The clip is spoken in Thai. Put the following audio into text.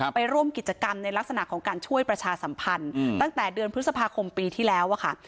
ไปร่วมกิจกรรมในลักษณะของการช่วยประชาสัมพันธ์ตั้งแต่เดือนพฤษภาคมปีที่แล้วอะค่ะ